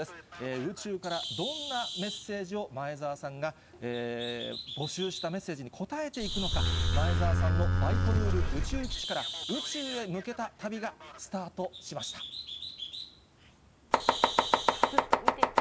宇宙からどんなメッセージを、前澤さんが募集したメッセージに答えていくのか、前澤さんのバイコヌール宇宙基地から、宇宙へ向けた旅がスタートしました。